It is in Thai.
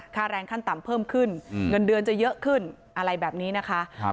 แรงขั้นต่ำเพิ่มขึ้นเงินเดือนจะเยอะขึ้นอะไรแบบนี้นะคะ